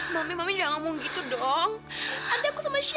mami jangan tinggal dengan aku